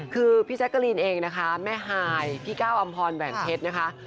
คือพี่แจ๊กกะลีนเองนะคะแม่ฮายพี่ก้าวอำพรแหวนเพชรนะคะ